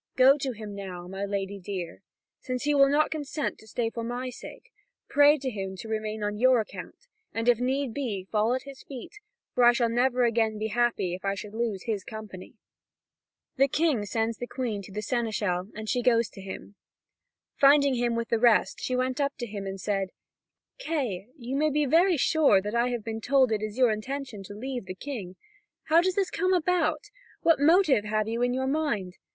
Go to him now, my lady dear. Since he will not consent to stay for my sake, pray him to remain on your account, and if need be, fall at his feet, for I should never again be happy if I should lose his company." The King sends the Queen to the seneschal, and she goes to him. Finding him with the rest, she went up to him, and said: "Kay, you may be very sure that I am greatly troubled by the news I have heard of you. I am grieved to say that I have been told it is your intention to leave the King. How does this come about? What motive have you in your mind?